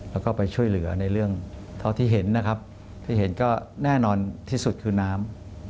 แล้วก็ไปช่วยเหลือในเรื่องเท่าที่เห็นนะครับที่เห็นก็แน่นอนที่สุดคือน้ำ